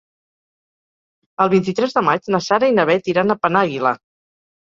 El vint-i-tres de maig na Sara i na Bet iran a Penàguila.